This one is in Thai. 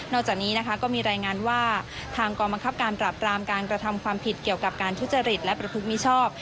จากนี้นะคะก็มีรายงานว่าทางกองบังคับการปราบรามการกระทำความผิดเกี่ยวกับการทุจริตและประพฤติมิชอบ